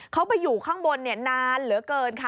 เขาไปอยู่ข้างบนนานเหลือเกินค่ะ